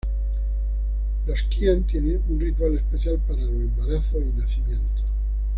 Los qiang tienen un ritual especial para los embarazos y nacimientos.